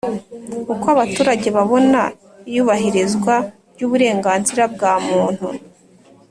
Uko abaturage babona iyubahirizwa ry uburenganzira bwa muntu